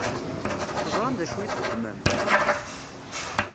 Teẓṛam d acu i txeddmem?